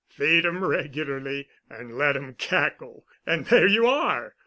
"Feed 'em regularly, and let 'em cackle; and there you are!"